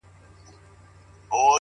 وخت د هرې پرېکړې شاهد وي